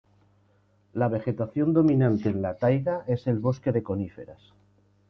La vegetación dominante en la taiga es el bosque de coníferas.